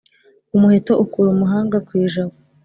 Umuheto ukura umuhanga ku ijabo